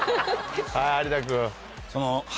はい有田君。